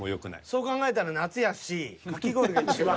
そう考えたら夏やしかき氷がいちばん。